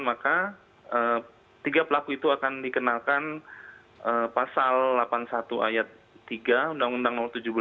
maka tiga pelaku itu akan dikenalkan pasal delapan puluh satu ayat tiga undang undang tujuh belas